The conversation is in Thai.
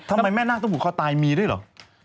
ทำไมแม่นาคต้องผูกคอตายมีด้วยเหรอ